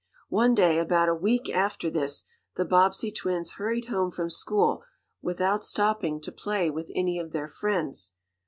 One day, about a week after this, the Bobbsey twins hurried home from school without stopping to play with any of their friends.